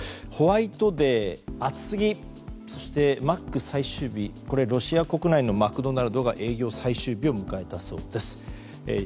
ホワイトデー、暑すぎそしてマック最終日これはロシア国内のマクドナルドが営業最終日を迎えたそうです。